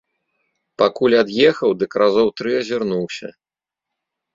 Пакуль ад'ехаў, дык разоў тры азірнуўся.